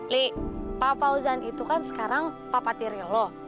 lee pak fauzan itu kan sekarang papa tiri lo